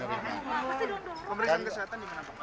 pemeriksaan kesehatan di mana pak